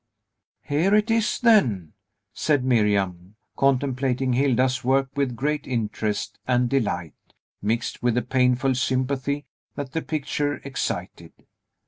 "Here it is, then," said Miriam, contemplating Hilda's work with great interest and delight, mixed with the painful sympathy that the picture excited.